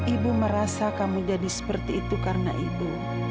ibu merasa kamu jadi seperti itu karena ibu